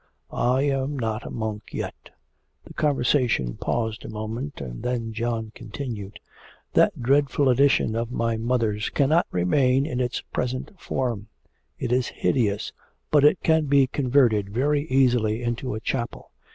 'I am not a monk yet.' The conversation paused a moment and then John continued, 'That dreadful addition of my mother's cannot remain in its present form; it is hideous, but it can be converted very easily into a chapel.